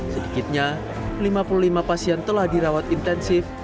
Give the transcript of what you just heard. sedikitnya lima puluh lima pasien telah dirawat intensif